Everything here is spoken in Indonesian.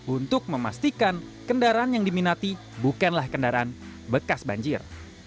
untuk memastikan kendaraan yang diminati bukanlah kendaraan bekas banjir